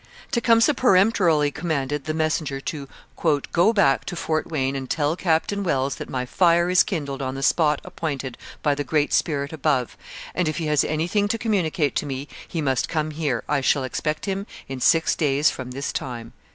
] Tecumseh peremptorily commanded the messenger to 'go back to Fort Wayne and tell Captain Wells that my fire is kindled on the spot appointed by the Great Spirit above, and, if he has anything to communicate to me, he must come here; I shall expect him in six days from this time.'